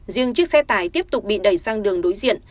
riêng chiếc xe tải tiếp tục bị đẩy sang đường đối diện